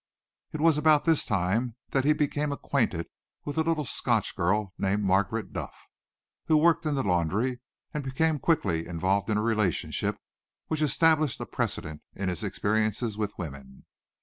It was about this time that he became acquainted with a little Scotch girl named Margaret Duff, who worked in the laundry, and became quickly involved in a relationship which established a precedent in his experiences with women.